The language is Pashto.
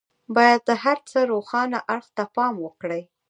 بايد د هر څه روښانه اړخ ته پام وکړي.